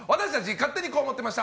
勝手にこう思ってました！